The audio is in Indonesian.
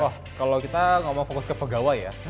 wah kalau kita ngomong fokus ke pegawai ya